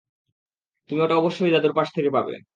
তুমি ওটা অবশ্যই দাদুর পাশ থেকে পাবে।